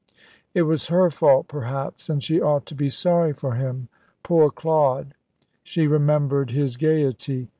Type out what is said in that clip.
It was her fault, perhaps, and she ought to be sorry for him. Poor Claude! She remembered his gaiety.